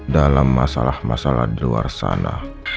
dalam masalah masalah di luar sana